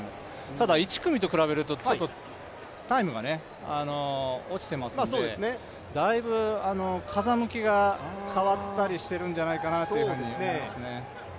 ただ、１組と比べるとちょっとタイムが落ちてますんでだいぶ風向きが変わったりしているんじゃないかなと思いますね。